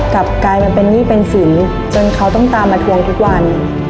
กลายมาเป็นหนี้เป็นสินจนเขาต้องตามมาทวงทุกวัน